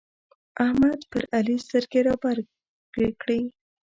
احمد پر علي سترګې رابرګې کړې.